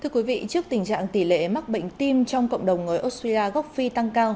thưa quý vị trước tình trạng tỷ lệ mắc bệnh tim trong cộng đồng người australia gốc phi tăng cao